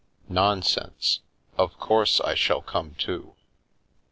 " Nonsense. Of course I shall come too.